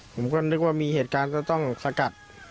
ผมก็นึกว่ามีเหตุการณ์จะต้องสกัด